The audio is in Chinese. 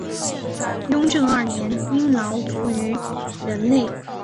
雍正二年因劳卒于任内。